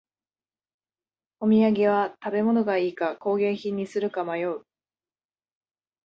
お土産は食べ物がいいか工芸品にするか迷う